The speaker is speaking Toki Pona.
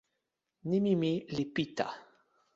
nimi mi li Pita.